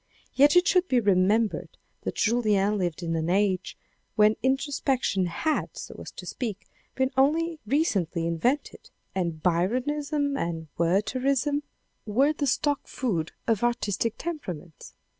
Yet it should be remembered that Julien lived in an age when introspection had, so to speak, been only ecently invented, and Byronism and Wertherism were INTRODUCTION xiii. the stock food of artistic temperaments.